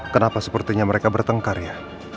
kenapa sepertinya mereka bertengkar ya